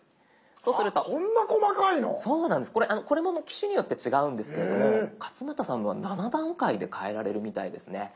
そうなんですこれも機種によって違うんですけれども勝俣さんのは７段階で変えられるみたいですね。